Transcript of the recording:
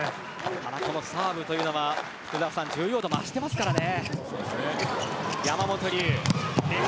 ただ、このサーブは重要度、増していますからね。